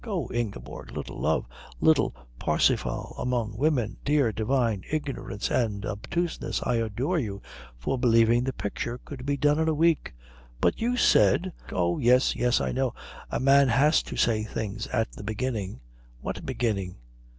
"Oh, Ingeborg little love, little Parsifal among women, dear divine ignorance and obtuseness I adore you for believing the picture could be done in a week!" "But you said " "Oh, yes, yes, I know a man has to say things at the beginning " "What beginning?"